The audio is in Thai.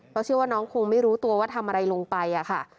เพราะเชื่อว่าน้องคงไม่รู้ตัวว่าทำอะไรลงไปค่ะ